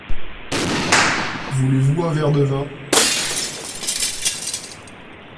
Voulez-vous un verre de vin ?